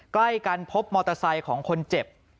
ใกล้กันพบมอเตอร์ไซค์ของคนเจ็บ